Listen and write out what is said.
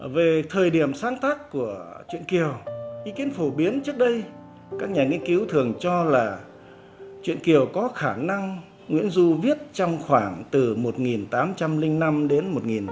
về thời điểm sáng tác của chuyện kiều ý kiến phổ biến trước đây các nhà nghiên cứu thường cho là chuyện kiều có khả năng nguyễn du viết trong khoảng từ một nghìn tám trăm linh năm đến một nghìn chín trăm linh